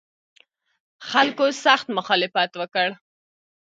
خلکو سخت مخالفت وکړ.